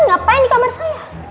ngapain di kamar saya